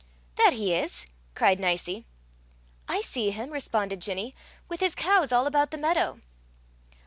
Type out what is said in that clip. "There he is!" cried Nicie. "I see him," responded Ginny, " with his cows all about the meadow."